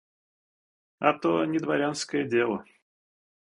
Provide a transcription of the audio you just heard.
А то не дворянское дело.